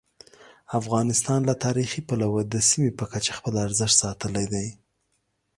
افغانستان له تاریخي پلوه د سیمې په کچه خپل ارزښت ساتلی دی.